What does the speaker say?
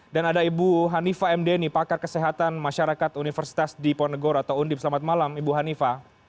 dan ada ibu hanifa mdni pakar kesehatan masyarakat universitas di ponegoro atau undip selamat malam ibu hanifa